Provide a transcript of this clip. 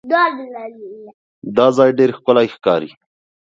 دا ځای ډېر ښکلی ښکاري.